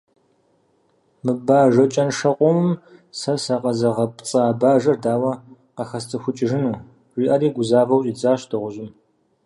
«Мы бажэ кӀэншэ къомым сэ сыкъэзыгъэпцӀа бажэр дауэ къахэсцӀыхукӀыжыну», – жиӀэри гузавэу щӀидзащ дыгъужьым.